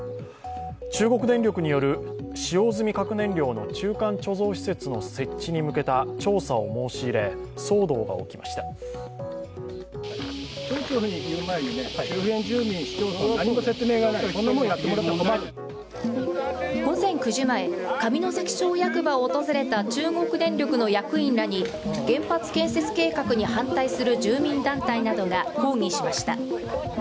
中国電力による使用済み核燃料の中間貯蔵施設の設置に向けた調査を申し入れ、騒動が起きました午前９時前、上関町役場を訪れた中国電力の役員らに原発建設計画に反対する住民団体などが抗議しました。